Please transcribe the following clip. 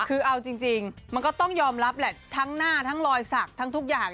คือเอาจริงมันก็ต้องยอมรับแหละทั้งหน้าทั้งรอยสักทั้งทุกอย่าง